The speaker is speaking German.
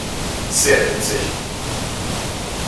Sehr witzig!